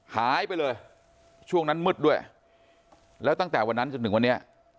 หายไปเลยช่วงนั้นมืดด้วยแล้วตั้งแต่วันนั้นจนถึงวันนี้